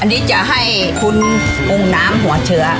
อันนี้จะให้คุณองค์น้ำหัวเชื้อ